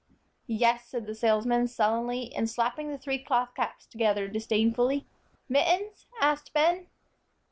"Yes," said the salesman, sullenly, and slapping the three cloth caps together disdainfully. "Mittens?" asked Ben.